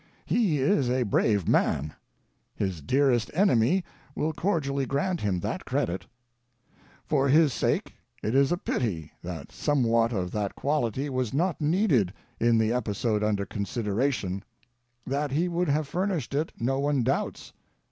He is a brave man ; his dearest enemy will cordially grant him that credit. For his sake it is a pity that somewhat of that quality was not needed in the episode under consideration; that he would have furnished it, no one doubts.